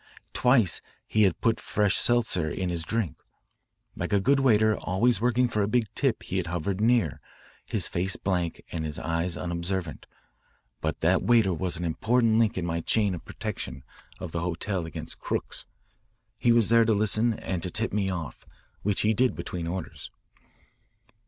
Twice he had put fresh seltzer in his drink. Like a good waiter always working for a big tip he had hovered near, his face blank and his eyes unobservant. But that waiter was an important link in my chain of protection of the hotel against crooks. He was there to listen and to tip me off, which he did between orders.